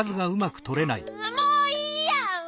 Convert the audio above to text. もういいや！